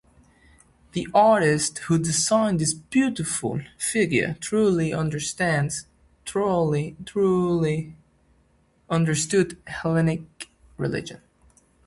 The artist who designed this beautiful figure thoroughly understood Hellenic religion.